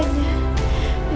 jangan birakan berpura pura